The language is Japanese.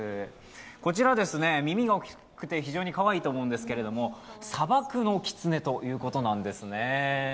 こちら、耳が大きくて非常にかわいいと思うんですけど、砂漠のきつねということなんですね。